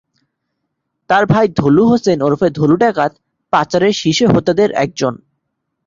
তাঁর ভাই ধলু হোসেন ওরফে ধলু ডাকাত পাচারের শীর্ষ হোতাদের একজন।